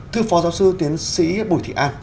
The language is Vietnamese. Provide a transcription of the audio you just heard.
thưa phó giáo sư tiến sĩ bùi thị an